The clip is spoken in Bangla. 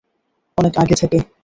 অনেক আগে থেকে।